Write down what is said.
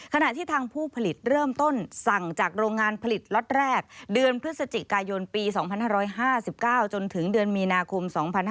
ขณะที่ทางผู้ผลิตเริ่มต้นสั่งจากโรงงานผลิตล็อตแรกเดือนพฤศจิกายนปี๒๕๕๙จนถึงเดือนมีนาคม๒๕๕๙